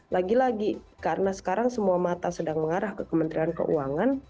lagi lagi karena sekarang semua mata sedang mengarah ke kementerian keuangan